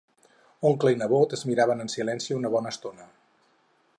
Oncle i nebot es miren en silenci una bona estona.